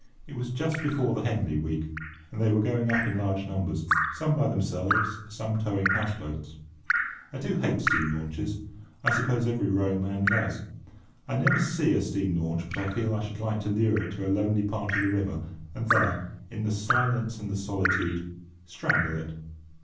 It was just before the Henley week, and they were going up in large numbers; some by themselves, some towing houseboats. I do hate steam launches: I suppose every rowing man does. I never see a steam launch but I feel I should like to lure it to a lonely part of the river, and there, in the silence and the solitude, strangle it.